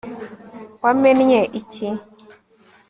wamennye iki